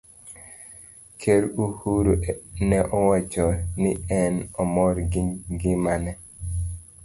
Ker Uhuru ne owacho ni ne omor gi gima ne